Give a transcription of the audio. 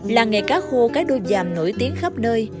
làng nghề cá khô cái đô dàm nổi tiếng khắp nơi